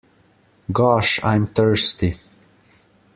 Gosh, I'm thirsty.